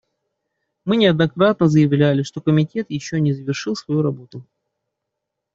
Мы неоднократно заявляли, что комитет еще не завершил свою работу.